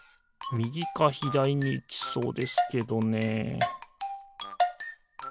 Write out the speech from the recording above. みぎかひだりにいきそうですけどね